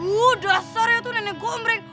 udah sorry itu nenek gua ombring